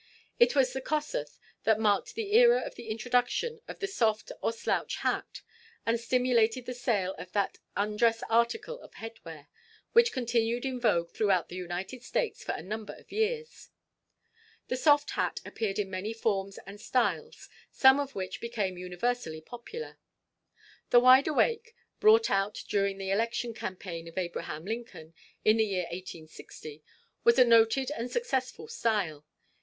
It was the "Kossuth" that marked the era of the introduction of the soft or slouch hat, and stimulated the sale of that undress article of headwear, which continued in vogue throughout the United States for a number of years. The soft hat appeared in many forms and styles, some of which became universally popular. The "wide awake," brought out during the election campaign of Abraham Lincoln, in the year 1860, was a noted and successful style.